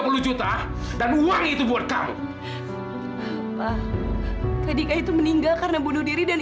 jangan jangan hancurkan warung saya jangan